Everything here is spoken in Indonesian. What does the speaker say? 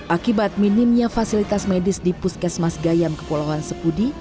akibat minimnya fasilitas medis di puskesmas gayam kepulauan sepudi